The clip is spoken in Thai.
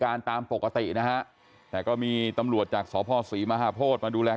เพราะว่าจับจูนจับจูนทุกนู้นก็ไม่กล้า